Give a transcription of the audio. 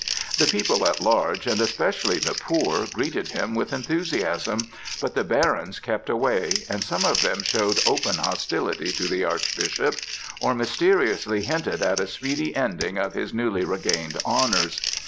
The people at large, and especially the poor, greeted him with enthusiasm; but the barons kept away, and some of them showed open hostility to the Archbishop, or mysteriously hinted at a speedy ending of his newly regained honors.